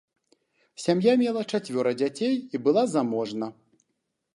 Сям'я мела чацвёра дзяцей і жыла заможна.